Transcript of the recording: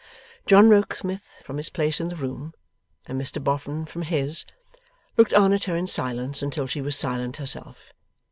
John Rokesmith from his place in the room, and Mr Boffin from his, looked on at her in silence until she was silent herself.